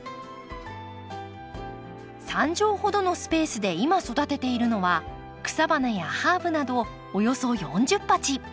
３畳ほどのスペースで今育てているのは草花やハーブなどおよそ４０鉢。